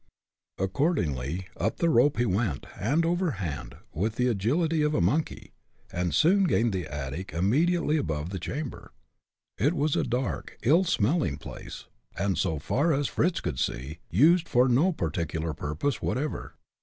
Accordingly, up the rope he went, hand over hand, with the agility of a monkey, and soon gained the attic immediately above the chamber. It was a dark, ill smelling place, and so far as Fritz could see, used for no particular purpose whatever.